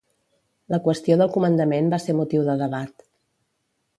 La qüestió del comandament va ser motiu de debat.